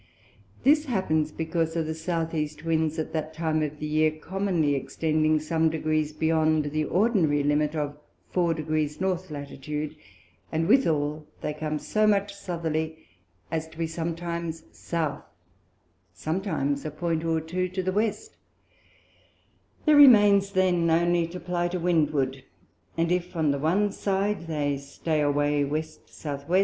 This happens because of the South East Winds, at that time of the Year commonly extending some Degrees beyond the ordinary limit of four Degrees North Latitude, and withal they come so much Southerly, as to be sometimes South, sometimes a Point or two to the West; there remains then only to ply to Windward, and if on the one side they stand away W. S. W.